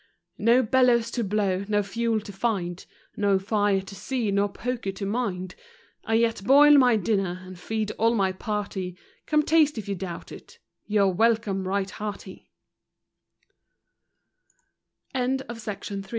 No bellows to blow, no fuel to find, No fire to see, nor poker to mind; I yet boil my dinner, and feed all my party; Come taste if you doubt it, your welcom